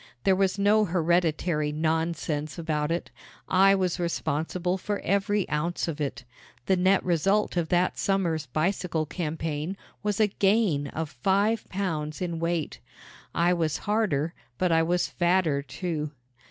There was no hereditary nonsense about it. I was responsible for every ounce of it. The net result of that summer's bicycle campaign was a gain of five pounds in weight. I was harder but I was fatter, too.